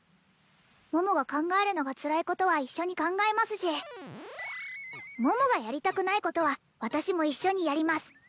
桃が考えるのがつらいことは一緒に考えますし桃がやりたくないことは私も一緒にやります